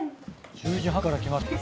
１１時半から来ましたよ。